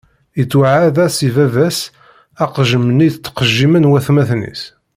Ittɛawad-as i baba-s aqejjem-nni i ttqejjimen watmaten-is.